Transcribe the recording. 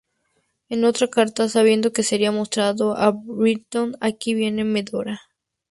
En otra carta, sabiendo que sería mostrada a Byron, "Aquí viene Medora".